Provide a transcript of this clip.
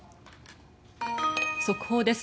速報です。